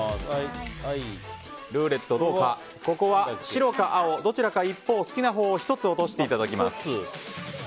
ルーレットは白か青どちらか一方好きなほう１つを落としていただきます。